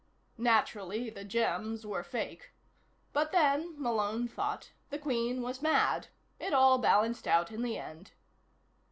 Naturally, the gems were fake. But then, Malone thought, the Queen was mad. It all balanced out in the end.